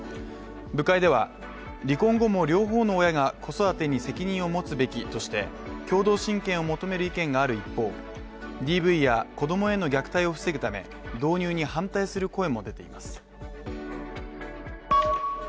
部会では、離婚後も両方の親が子育てに責任を持つべきとして共同親権を求める意見がある一方ＤＶや子供への虐待を防ぐため導入に反対する声も出ています。